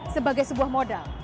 sebagai sebuah modal